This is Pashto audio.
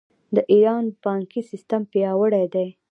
د ایران بانکي سیستم پیاوړی دی.